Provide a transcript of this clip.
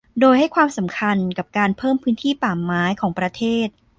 โดยให้ความสำคัญกับการเพิ่มพื้นที่ป่าไม้ของประเทศ